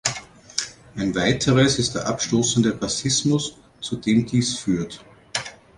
Ein weiteres ist der abstoßende Rassismus, zu dem dies führt.